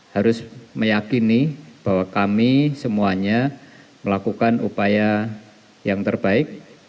harus meyakini bahwa kami semuanya melakukan upaya yang terbaik